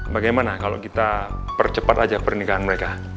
bagaimana kalau kita percepat aja pernikahan mereka